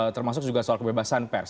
termasuk juga soal kebebasan pers